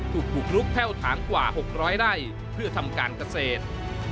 ถูกบุกลุกแพร่อุดถางกว่าหกร้อยไร่เพื่อทำการเกษตร